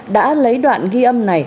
đã lấy đoạn ghi âm này